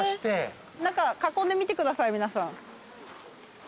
囲んでみてください皆さん。